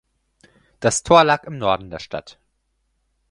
Das Tor lag im Norden der Stadt.